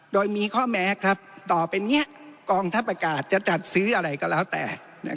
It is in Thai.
โดยมีข้อแม้ต่อไปนี้กองทัพอากาศจะจัดซื้ออะไรก็แล้วแต่